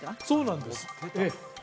そうなんですええ